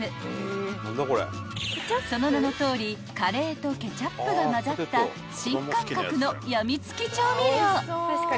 ［その名のとおりカレーとケチャップが混ざった新感覚の病みつき調味料］